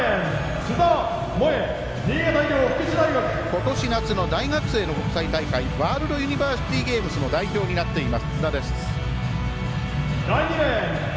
ことし夏の大学生の国際大会ワールドユニバーシティーゲームズ代表になっています、津田です。